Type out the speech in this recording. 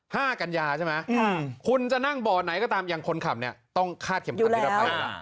ห้ากัญญาใช่ไหมคุณจะนั่งบ่อไหนก็ตามอย่างคนขับเนี่ยต้องคาดเข็มคันที่รับไป